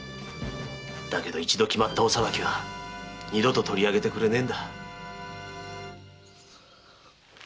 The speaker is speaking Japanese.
だけど一度決まったお裁きは二度と取上げてくれねえんだ。